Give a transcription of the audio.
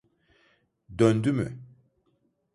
Döndü mü?